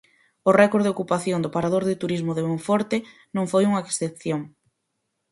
O récord de ocupación do Parador de Turismo de Monforte non foi unha excepción.